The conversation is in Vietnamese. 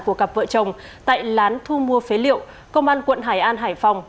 của cặp vợ chồng tại lán thu mua phế liệu công an quận hải an hải phòng